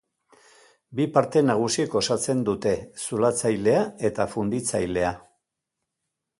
Bi parte nagusik osatzen dute: zulatzailea eta funditzailea.